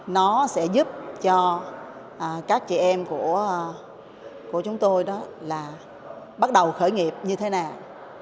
nó sẽ giúp cho các chị em của chúng tôi đó là bắt đầu khởi nghiệp như thế nào